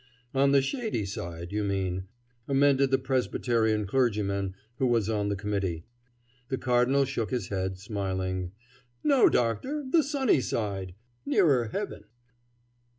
"On the shady side, you mean," amended the Presbyterian clergyman who was on the committee. The Cardinal shook his head, smiling. "No, doctor! The sunny side nearer heaven."